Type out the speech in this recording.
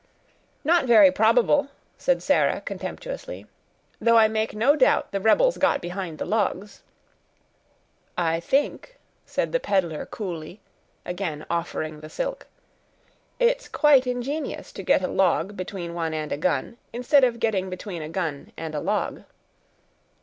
"Not very probable," said Sarah, contemptuously, "though I make no doubt the rebels got behind the logs." "I think," said the peddler coolly, again offering the silk, "it's quite ingenious to get a log between one and a gun, instead of getting between a gun and a log."